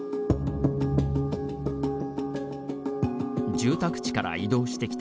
住宅地から移動してきた